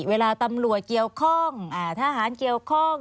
เวลาตำรวจเกี่ยวข้องทหารเกี่ยวข้อง